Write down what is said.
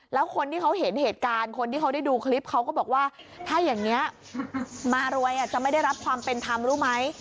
แล้วคนที่เขาเห็นเหตุการณ์คนที่เขาได้ดูคลิปเขาก็บอกว่าถ้าอย่างนี้มารวยจะไม่ได้รับความเป็นธรรมรู้ไหม